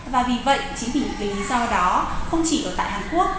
và vì vậy chính vì lý do đó không chỉ ở tại hàn quốc